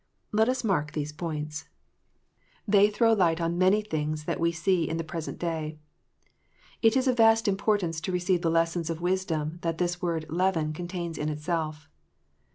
Let us mark these points : PHARISEES AND SADDUCEES. 335 they throw light on many things that we see in the present day. It is of vast importance to receive the lessons of wisdom that this word "leaven" contains in itself.